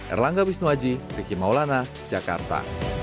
erlangga wisnuaji riki maulana jakarta